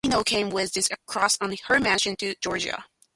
Nino came with this cross on her mission to Georgia.